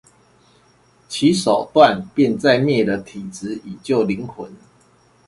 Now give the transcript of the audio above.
其手段便在滅了體質以救靈魂